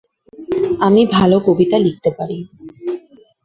আমি ভালো কবিতা লিখতে পারি।